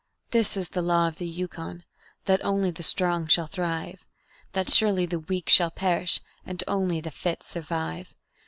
This is the Law of the Yukon, that only the Strong shall thrive; That surely the Weak shall perish, and only the Fit survive.